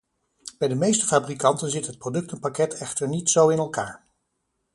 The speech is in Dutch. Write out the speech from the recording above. Bij de meeste fabrikanten zit het productenpakket echter niet zo in elkaar.